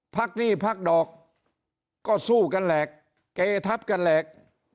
หนี้พักดอกก็สู้กันแหลกเกทับกันแหลก